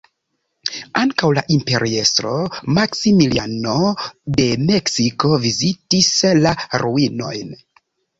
Ankaŭ la imperiestro Maksimiliano de Meksiko vizitis la ruinojn.